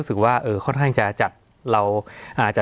สวัสดีครับทุกผู้ชม